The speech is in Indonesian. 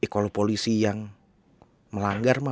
kalau polisi yang melanggar